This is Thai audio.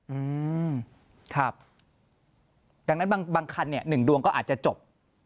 อืมครับดังนั้นบางบางคันเนี่ยหนึ่งดวงก็อาจจะจบ